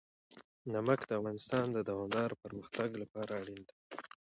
نمک د افغانستان د دوامداره پرمختګ لپاره اړین دي.